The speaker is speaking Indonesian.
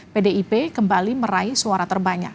pdip kembali meraih suara terbanyak